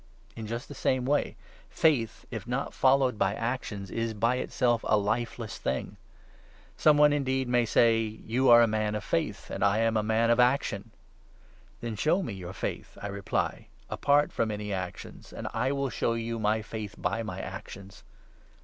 In just the same way faith, if not followed by 17 actions, is, by itself, a lifeless thing. Some one, indeed, may 18 say — "You are a man of faith, and I am a man of action." " Then show me your faith," I reply, "apart from any actions, and I will show you my faith by my actions."